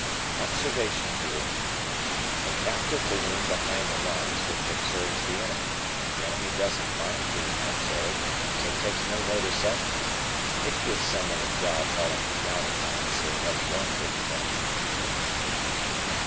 O Observation Balloon. A captive balloon behind the lines which observes the enemy. The enemy doesn't mind being observed, so takes no notice of it. It gives someone a job hauling it down at night, so it has one good point.